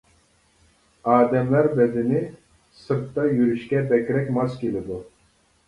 ئادەملەر بەدىنى سىرتتا يۈرۈشكە بەكرەك ماس كېلىدۇ.